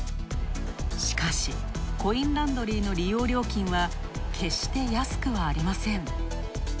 しかし、コインランドリーの利用料金は決して安くはありません。